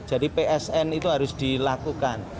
jadi psn itu harus dilakukan